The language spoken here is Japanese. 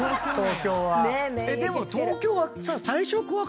でも東京はさ。